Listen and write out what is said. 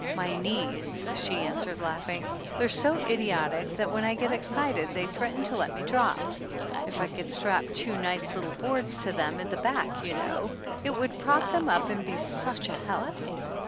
"My knees," she answered laughing, "they're so idiotic that when I get excited they threaten to let me drop. If I could strap two nice little boards to them, at the back, you know, it would prop them up and be such a help